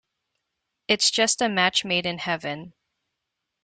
It's just a match made in Heaven.